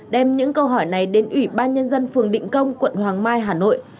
đem những câu hỏi này đến ủy ban nhân dân phường định công quận hoàng mai hà nội